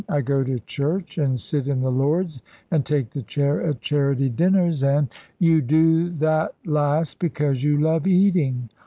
I go to church, an' sit in the Lords, an' take the chair at charity dinners, an' " "You do that last because you love eating.